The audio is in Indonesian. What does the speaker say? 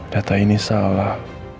data ini salah